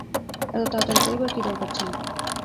এত তাড়াতাড়ি করিবার কী দরকার ছিল?